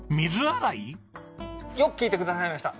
よく聞いてくださいました。